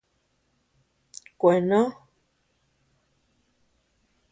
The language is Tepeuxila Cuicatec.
Kuenó.